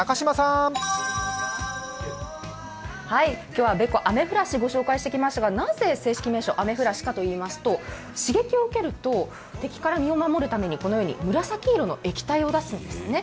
今日はベコ、アメフラシを紹介しましたがなぜ正式名称、アメフラシかといいますと、刺激を受けると敵から身を守るためにこのように紫色の液体を出すんですね。